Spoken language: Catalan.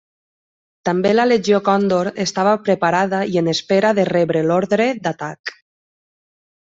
També la Legió Còndor estava preparada i en espera de rebre l'ordre d'atac.